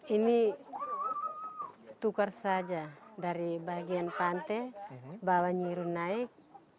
ini tukar saja dari bagian pantai bawah nyiru naik